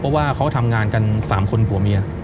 เพราะว่าเขาทำงานกัน๓คนผัวเมีย